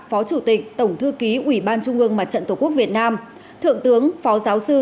phó chủ tịch tổng thư ký ủy ban trung ương mặt trận tổ quốc việt nam thượng tướng phó giáo sư